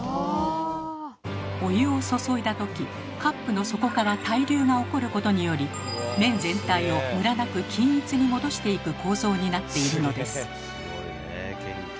お湯を注いだ時カップの底から対流が起こることにより麺全体をむらなく均一に戻していく構造になっているのです。